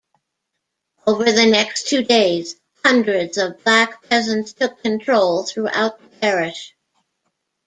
Over the next two days, hundreds of black peasants took control throughout the parish.